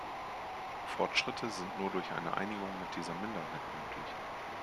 Fortschritte sind nur durch eine Einigung mit dieser Minderheit möglich.